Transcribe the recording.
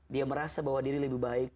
dia merasa bahwa diri lebih baik